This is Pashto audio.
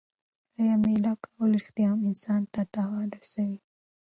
آیا مېله کول رښتیا هم انسان ته تاوان رسوي؟